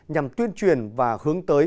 nhằm tuyên truyền và hướng tới